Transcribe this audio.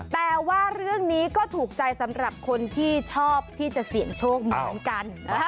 แต่ว่าเรื่องนี้ก็ถูกใจสำหรับคนที่ชอบที่จะเสี่ยงโชคเหมือนกัน